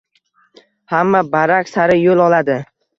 Hamma barak sari yo’l oladi.